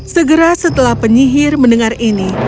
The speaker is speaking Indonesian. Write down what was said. segera setelah penyihir mendengar ini